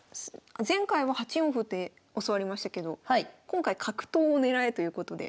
前回は８四歩で教わりましたけど今回「角頭を狙え！」ということで。